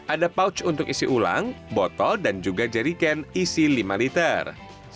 ada pouch untuk isi ulang botol dan juga jeriken isi lima liter